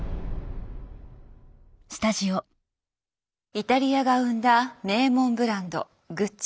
イタリアが生んだ名門ブランドグッチ。